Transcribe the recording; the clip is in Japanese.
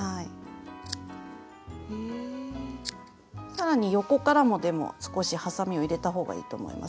更に横からもでも少しはさみを入れたほうがいいと思います。